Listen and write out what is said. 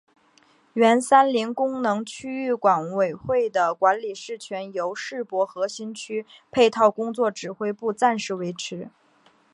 原三林功能区域管委会的管理事权由世博核心区配套工作指挥部暂时维持。